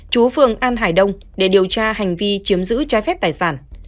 chú phường an hải đông để điều tra hành vi chiếm giữ trái phép tài sản